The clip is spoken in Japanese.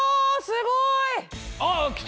すごい！